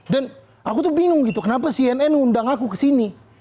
dan aku tuh bingung gitu kenapa cnn undang aku kesini